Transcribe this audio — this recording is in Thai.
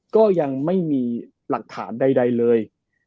ก็ยังไม่มีหลักฐานใดเลย